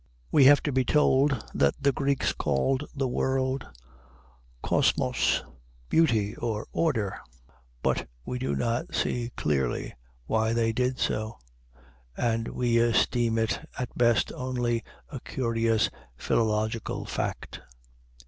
We have to be told that the Greeks called the world Κὁσμος, Beauty, or Order, but we do not see clearly why they did so, and we esteem it at best only a curious philological fact.